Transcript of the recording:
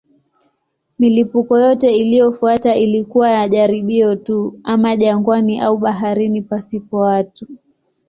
Milipuko yote iliyofuata ilikuwa ya jaribio tu, ama jangwani au baharini pasipo watu.